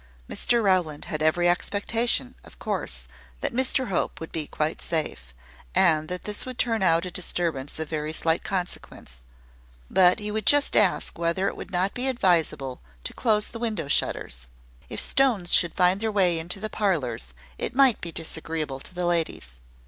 Mr Rowland had every expectation, of course, that Mr Hope would be quite safe, and that this would turn out a disturbance of very slight consequence: but he would just ask whether it would not be advisable to close the window shutters. If stones should find their way into the parlours, it might be disagreeable to the ladies.